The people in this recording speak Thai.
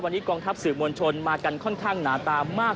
วันนี้กองทัพสื่อมวลชนมากันค่อนข้างหนาตามาก